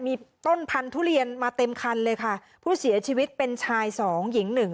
มีต้นพันธุเรียนมาเต็มคันเลยค่ะผู้เสียชีวิตเป็นชายสองหญิงหนึ่ง